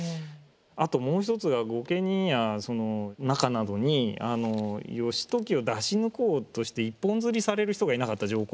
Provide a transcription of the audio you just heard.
あともう一つが御家人やその中などに義時を出し抜こうとして一本釣りされる人がいなかった上皇に。